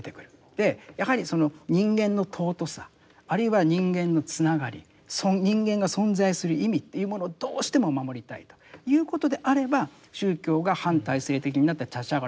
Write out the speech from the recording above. でやはりその人間の尊さあるいは人間のつながり人間が存在する意味というものをどうしても守りたいということであれば宗教が反体制的になって立ち上がるということはある。